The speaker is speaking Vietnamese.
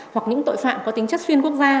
hoặc những tội phạm có tính chất xuyên quốc gia